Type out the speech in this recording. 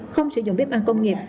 không sử dụng bếp ăn công nghiệp